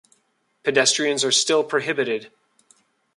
Pedestrians are still prohibited.